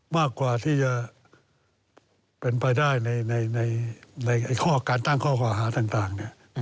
มากกว่าที่จะเป็นไปได้ในข้อการตั้งข้อกล่าหาต่าง